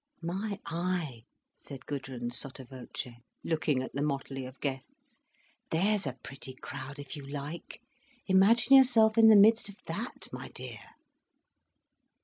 "My eye!" said Gudrun, sotto voce, looking at the motley of guests, "there's a pretty crowd if you like! Imagine yourself in the midst of that, my dear."